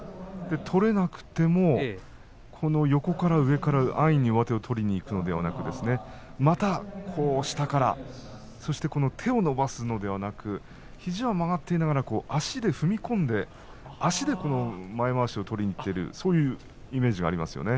取れなくても横から上から安易に上手を取りにいくのではなくてまた下から手を伸ばすのではなく肘は曲がっていながら足で踏み込んで足で前まわしを取りにいっているそういうイメージですね。